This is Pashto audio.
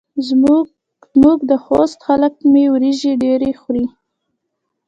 زموږ د خوست خلک مۍ وریژې ډېرې خوري.